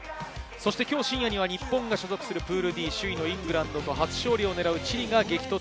きょう深夜には日本が所属するプールＤ首位のイングランドと、初勝利を狙うチリが激突。